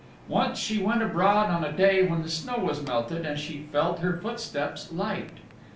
Once she went abroad on a day when the snow was melted and she felt her footsteps light.